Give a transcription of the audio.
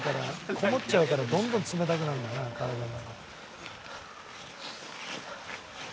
こもっちゃうからどんどん冷たくなるんだよな体が」